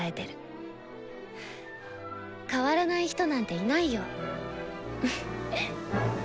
変わらない人なんていないよ。